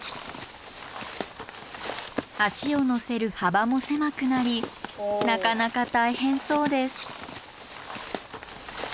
足を乗せる幅も狭くなりなかなか大変そうです。